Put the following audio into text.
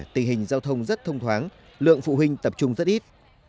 tình hình giao thông rất thông thoáng lượng phụ huynh tập trung rất ít